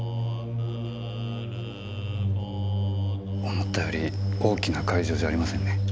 思ったより大きな会場じゃありませんね。